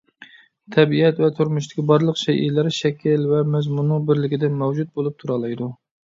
تەبىئەت ۋە تۇرمۇشتىكى بارلىق شەيئىلەر شەكىل ۋە مەزمۇننىڭ بىرلىكىدە مەۋجۇت بولۇپ تۇرالايدۇ.